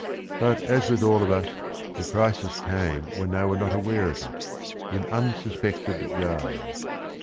But as with all of us the crisis came when they were not aware of it, in unsuspected guise.